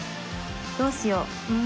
どうしよう。